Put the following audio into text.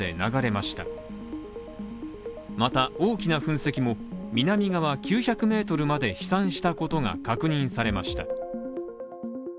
また、大きな噴石も南側９００ｍまで飛散したことが確認されました。